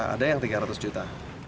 ada yang tiga ratus juta